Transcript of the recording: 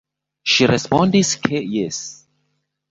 Ŝi respondis, ke jes".